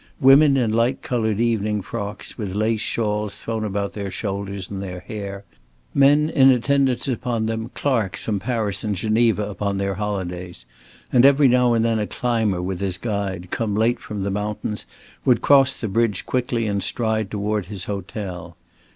Women in light colored evening frocks, with lace shawls thrown about their shoulders and their hair; men in attendance upon them, clerks from Paris and Geneva upon their holidays; and every now and then a climber with his guide, come late from the mountains, would cross the bridge quickly and stride toward his hotel.